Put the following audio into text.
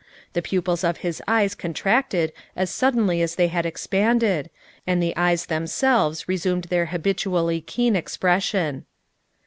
The pupils of his eyes contracted as suddenly as they had expanded, and the eyes themselves resumed their habitually keen expression.